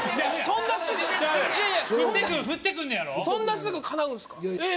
そんなすぐかなうんすか？